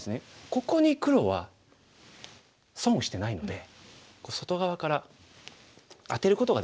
ここに黒は損をしてないので外側からアテることができるんですね。